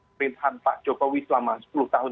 print hand pak jokowi selama sepuluh tahun